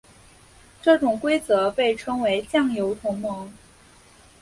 这种规则被称为酱油同盟。